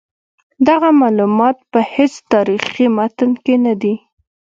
دغه معلومات په هیڅ تاریخي متن کې نه دي.